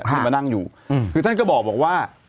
ที่มานั่งอยู่คือท่านก็บอกว่า